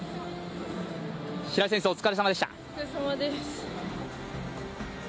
白井選手、お疲れさまでした。